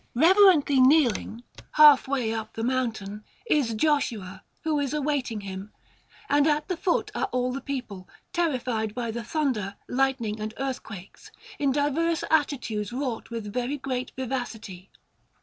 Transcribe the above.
Reverently kneeling, half way up the mountain, is Joshua, who is awaiting him, and at the foot are all the people, terrified by the thunder, lightning, and earthquakes, in diverse attitudes wrought with very great vivacity.